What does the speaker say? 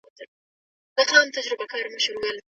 ولي کوښښ کوونکی د با استعداده کس په پرتله برخلیک بدلوي؟